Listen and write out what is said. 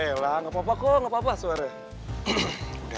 alah nggak apa apa kok nggak apa apa suaranya